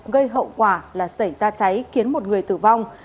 gây hậu quả là xảy ra cháy khiến một người tử vong